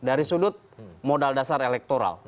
dari sudut modal dasar elektoral